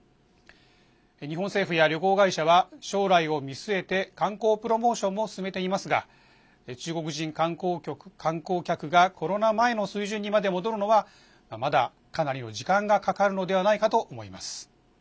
日本政府や旅行会社は将来を見据えて観光プロモーションも進めていますが中国人観光客がコロナ前の水準にまで戻るのはまだ、かなりの時間がかかるのではないかと思います。